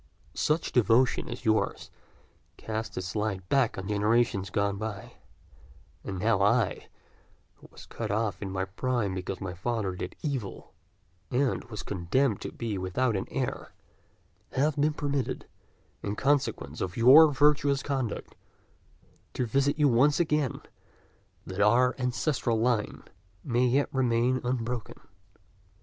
Such devotion as yours casts its light back on generations gone by; and now I, who was cut off in my prime because my father did evil, and was condemned to be without an heir, have been permitted, in consequence of your virtuous conduct, to visit you once again, that our ancestral line may yet remain unbroken."